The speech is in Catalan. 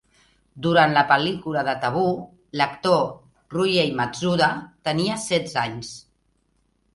Durant la pel·lícula de "Tabú", l'actor Ryuhei Matsuda tenia setze anys.